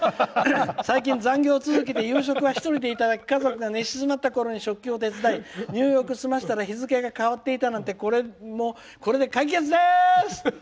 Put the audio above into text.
最近、残業続きで夕食は１人で家族が寝静まったころに入浴済ましたら日付が変わっていたのもこれで解決です！」。